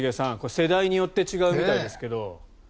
世代によって違うみたいですけど。